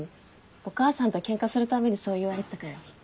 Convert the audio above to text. お母さんとケンカするたんびにそう言われてたからね。